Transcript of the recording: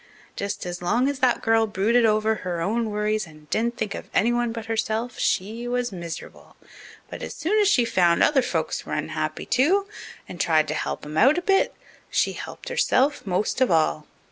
Just as long as that girl brooded over her own worries and didn't think of anyone but herself she was miserable. But as soon as she found other folks were unhappy, too, and tried to help 'em out a bit, she helped herself most of all.